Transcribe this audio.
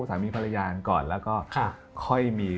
สามีภรรยากันก่อนแล้วก็ค่อยมี